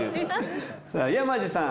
さぁ山路さん